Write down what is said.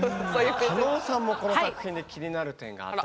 加納さんもこの作品で気になる点があったと。